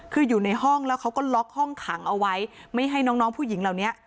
คืออยู่ในห้องแล้วเขาก็ล็อกห้องขังเอาไว้ไม่ให้น้องผู้หญิงเหล่านี้